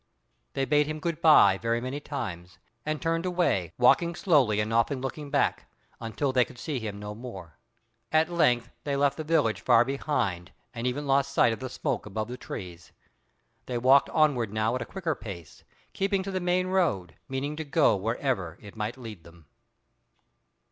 They bade him good bye very many times, and turned away, walking slowly and often looking back, until they could see him no more. At length they left the village far behind, and even lost sight of the smoke above the trees. They walked onward now at a quicker pace, keeping to the main road, meaning to go wherever it might lead them.